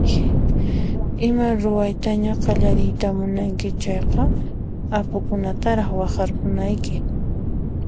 Ima ruwaytaña qallariyta munanki chayqa apukunataraq waqharkunayki.